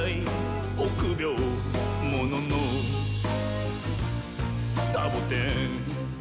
「おくびょうもののサボテン」